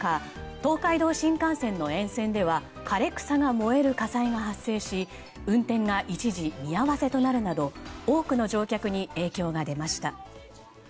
東海道新幹線の沿線では枯れ草が燃える火災が発生し運転が一時見合わせとなるなど多くの乗客に影響が出ました。